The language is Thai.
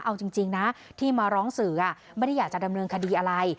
เอาจริงนะที่มาร้องสื่อไม่ได้อยากจะดำเนินคดีอะไร